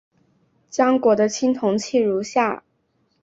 江国的青铜器如下。